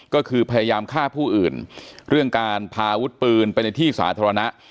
ก็คือพยายามฆ่าผู้อื่นเรื่องการพาอาวุธปืนไปในที่สาธารณะ